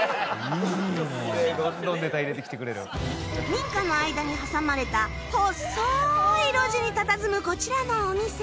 民家の間に挟まれた細い路地にたたずむこちらのお店